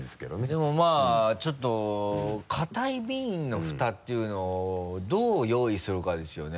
でもまぁちょっと硬いビンのフタっていうのどう用意するかですよね。